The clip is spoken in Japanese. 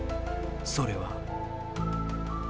それは。